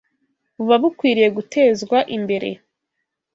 buba bukwiriye gutezwa imbere